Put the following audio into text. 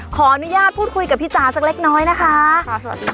ขออนุญาตพูดคุยกับพี่จ๋าสักเล็กน้อยนะคะสวัสดีค่ะ